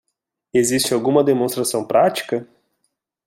Existe alguma demonstração prática?